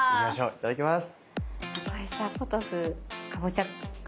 いただきます。